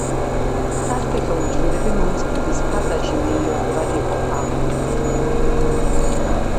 სასქესო უჯრედები მომწიფების ფაზაში მეიოზურად იყოფა.